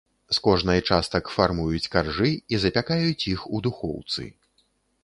З кожнай частак фармуюць каржы і запякаюць іх у духоўцы.